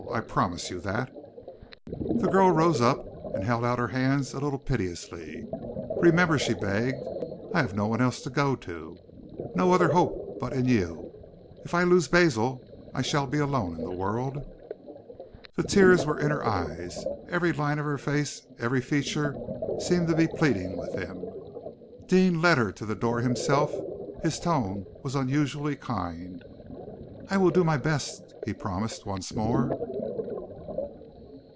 I promise you that." The girl rose up, and held out her hands a little piteously. "Remember," she begged, "I have no one else to go to, no other hope but in you. If I lose Basil, I shall be alone in the world!" The tears were in her eyes. Every line of her face, every feature, seemed to be pleading with him. Deane led her to the door himself. His tone was unusually kind. "I will do my best," he promised once more.